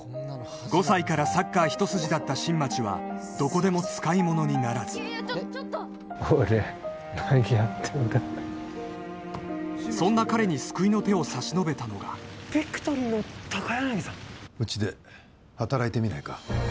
５歳からサッカー一筋だった新町はどこでも使い物にならず俺何やってんだそんな彼に救いの手を差し伸べたのがビクトリーの高柳さんうちで働いてみないか？